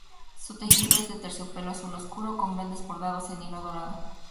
Su tejido es de terciopelo azul oscuro, con grandes bordados en hilo dorado.